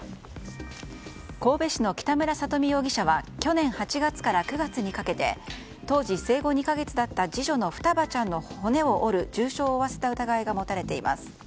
神戸市の北村里美容疑者は去年８月から９月にかけて当時、生後２か月だった次女の双葉ちゃんの骨を折る重傷を負わせた疑いが持たれています。